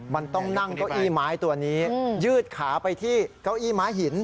มันต้องนั่งเก้าอี้ไม้ตัวนี้ยืดขาไปที่เก้าอี้ม้าหิน